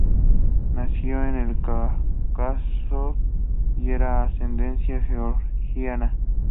Nació en el Cáucaso y era de ascendencia georgiana.